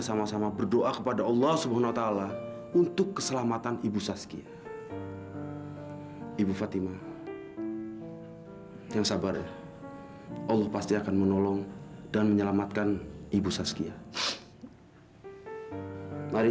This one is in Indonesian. sampai jumpa di video selanjutnya